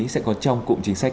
sẽ có trong cụm chính sách